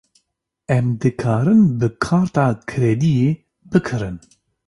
Em dikarin bi karta krediyê bikirin?